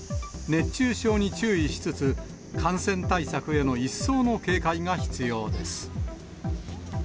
熱中症に注意しつつ、感染対策への一層の警戒が必要です。